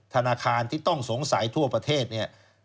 ธนาคารที่ต้องสงสัยทั่วประเทศเนี่ย